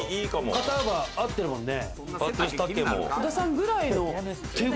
肩が合ってるもんね。